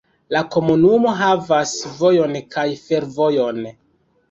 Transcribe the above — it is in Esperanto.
La komunumo havas vojon kaj fervojon.